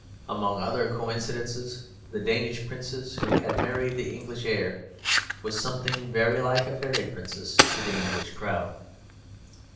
Among other coincidences, the Danish princess who had married the English heir was something very like a fairy princess to the English crowd.